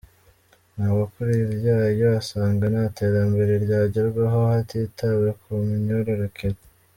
Ntawukuriryayo asanga nta terambere ryagerwaho hatitawe ku myororokere